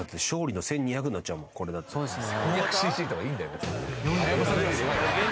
そうですね。